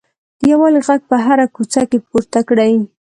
د یووالي غږ په هره کوڅه کې پورته کړئ.